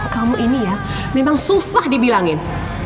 kamu ini ya memang susah dibilangin